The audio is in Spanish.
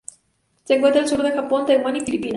Se encuentra al sur del Japón, Taiwán y Filipinas.